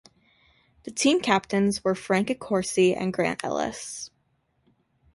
The team captains were Frank Accorsi and Grant Ellis.